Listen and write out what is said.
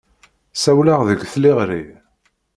Ssawleɣ deg tliɣri.